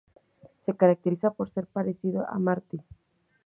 Se caracteriza por ser parecido a Marte.